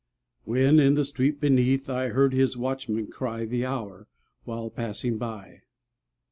When in the street beneath I heard his watchman cry The hour, while passing by.